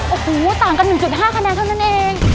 โอ้โหต่างกัน๑๕คะแนนเท่านั้นเอง